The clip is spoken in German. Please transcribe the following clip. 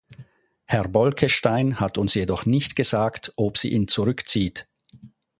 Herr Bolkestein hat uns jedoch nicht gesagt, ob sie ihn zurückzieht.